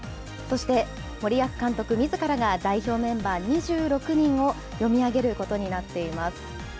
そして森保監督みずからが代表メンバー２６人を読み上げることになっています。